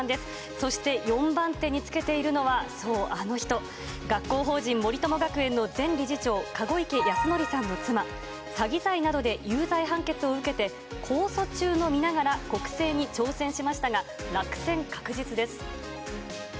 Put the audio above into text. そして４番手につけているのは、そう、あの人、学校法人森友学園の前理事長、籠池泰典さんの妻、詐欺罪などで有罪判決を受けて、控訴中の身ながら、国政に挑戦しましたが、落選確実です。